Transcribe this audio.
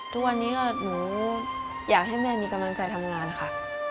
ทุกวันนี้หนูอยากให้แม่มีกำลังใจทำงานค่ะ